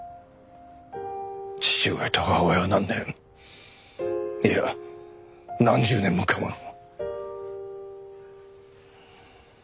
父親と母親は何年いや何十年も我慢を。